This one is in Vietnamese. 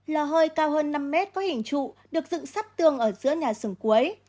lò hơi cao hơn năm m có hình trụ được dựng sắp tường ở giữa nhà xưởng cuối